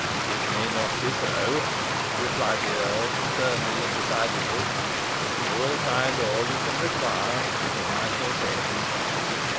"It may not be," replied the earl, sternly and decidedly. "You will find all you can require in him I shall send."